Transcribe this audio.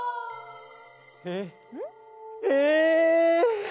えっええ！？